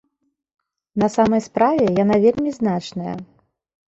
На самай справе, яна вельмі значная.